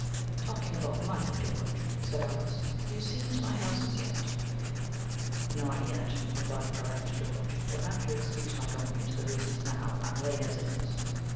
"Talking about money, George," said Alys, "have you seen to my houses yet?" "Not yet," replied the harassed George. "You'll have to excuse my going into the reasons now. I'm late as it is."